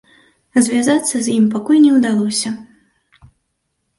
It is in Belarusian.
Звязацца з ім пакуль не ўдалося.